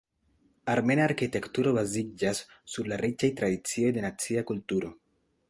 Armena arkitekturo baziĝas sur la riĉaj tradicioj de nacia kulturo.